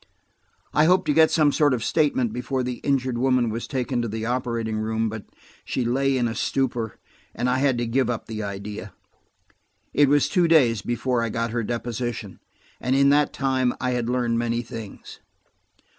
I hoped to get some sort of statement before the injured woman was taken to the operating room, but she lay in a stupor, and I had to give up the idea. It was two days before I got her deposition, and in that time I had learned many things.